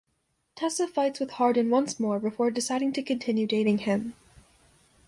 Tessa fights with Hardin once more before deciding to continue dating him.